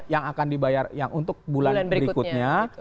yang akan dibayar yang untuk bulan berikutnya